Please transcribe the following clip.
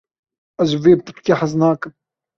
Ez ji vê pirtûkê hez nakim.